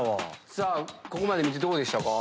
ここまで見てどうでしたか？